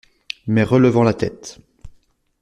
Mais relevant la tête.